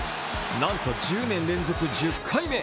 なんと１０年連続１０回目。